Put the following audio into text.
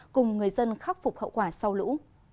cùng người dân khắc phục hậu quả sau lũ